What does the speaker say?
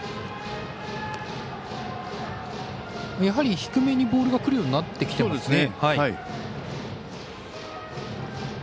やはり低めにボールがくるようになってきてますね。